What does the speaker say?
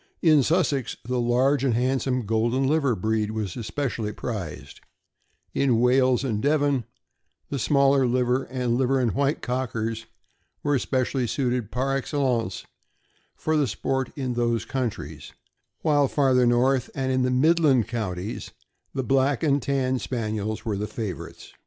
In Sussex, the large, handsome, golden liver breed was especially prized; in Wales and Devon, the smaller liver and liver and white Cockers were especially suited, par excellence, for the sport in those counties, while farther north, and in the midland counties, the black and black and tan Spaniels were the favorites.